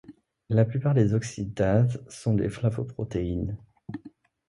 La plupart des oxydases sont des flavoprotéines.